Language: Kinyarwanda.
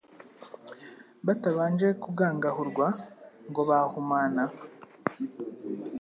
batabanje kugangahurwa, ngo bahumana